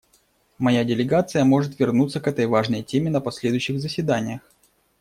Моя делегация может вернуться к этой важной теме на последующих заседаниях.